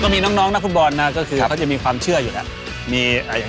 มีน้องนะครับคุณบอลเขาก็จะมีความเชื่ออยู่